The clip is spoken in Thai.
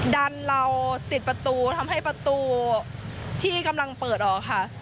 ดันเราติดประตูทำให้ประตูที่กำลังเปิดออกค่ะ